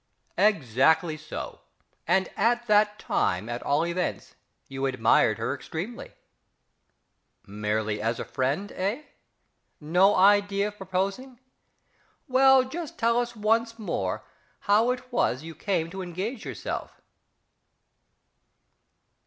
Exactly so, and, at that time at all events, you admired her extremely?... "Merely as a friend," eh? no idea of proposing? Well, just tell us once more how it was you came to engage yourself....